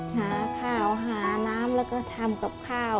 หาข้าวหาน้ำแล้วก็ทำกับข้าว